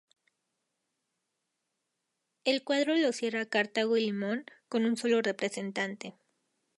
El cuadro lo cierra Cartago y Limón con solo un representante.